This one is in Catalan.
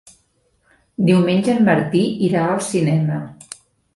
Diumenge en Martí irà al cinema.